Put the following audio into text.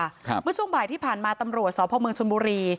เมื่อช่วงบ่ายที่ผ่านมาตำรวจสพเมืองชนบุรี